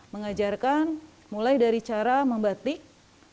mengajarkan mulai dari cara membatik melalui wayang tokoh sukuraga